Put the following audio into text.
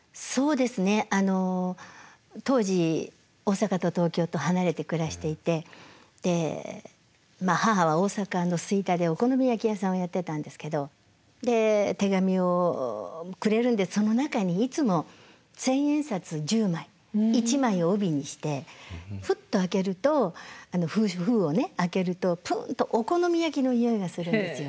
あの当時大阪と東京と離れて暮らしていてでまあ母は大阪の吹田でお好み焼き屋さんをやってたんですけどで手紙をくれるんでその中にいつも千円札１０枚１枚を帯にしてふっと開けると封をね開けるとプンとお好み焼きのにおいがするんですよ。